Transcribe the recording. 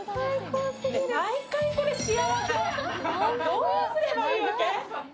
どうすればいいわけ？